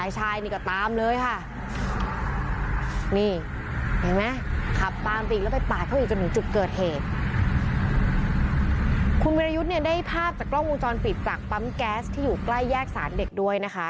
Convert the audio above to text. จากปั๊มแก๊สที่อยู่ใกล้แยกศาลเด็กด้วยนะคะ